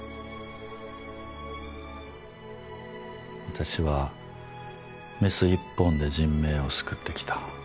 私はメス一本で人命を救ってきた。